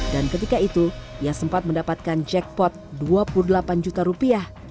dan ketika itu ia sempat mendapatkan jackpot dua puluh delapan juta rupiah